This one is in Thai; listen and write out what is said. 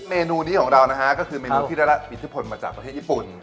เมนูนี้ของเรานะฮะก็คือเมนูที่ได้รับอิทธิพลมาจากประเทศญี่ปุ่น